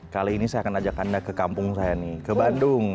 kali ini saya akan ajak anda ke kampung saya nih ke bandung